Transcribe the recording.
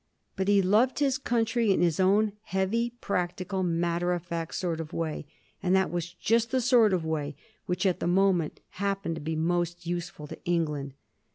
But he loved his country in his own heavy, practical, matter of fact sort of way, and that was just the sort of way which, at the time, happened to be most use ful to England.